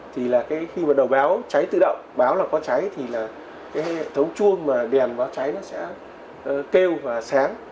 thì là khi mà đầu báo cháy tự động báo là có cháy thì là cái hệ thống chuông mà đèn báo cháy nó sẽ kêu và sáng